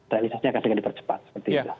realisasinya akan segera dipercepat seperti itu